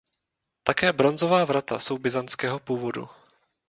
Také bronzová vrata jsou byzantského původu.